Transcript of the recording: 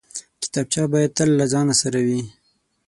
کتابچه باید تل له ځان سره وي